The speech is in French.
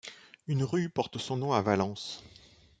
Une rue porte son nom à Valence.